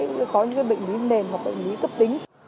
với những bệnh lý nền hoặc bệnh lý cấp tính